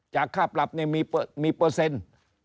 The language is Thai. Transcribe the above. ค่าปรับเนี่ยมีเปอร์เซ็นต์